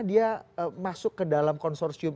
dia masuk ke dalam konsorsium